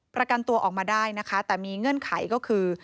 ประกันตัวออกมาได้นะคะแต่มีเงื่อนไขก็คือ